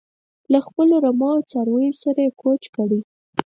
له خپلو رمو او څارویو سره یې کوچ کړی.